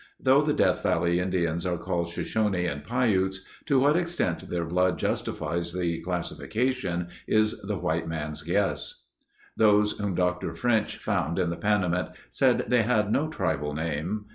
Though the Death Valley Indians are called Shoshone and Piutes, to what extent their blood justifies the classification is the white man's guess. Those whom Dr. French found in the Panamint said they had no tribal name.